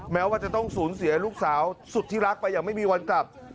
แม้ว่าจะต้องสูญเสียลูกสาวสุดที่รักไปอย่างไม่มีวันกลับ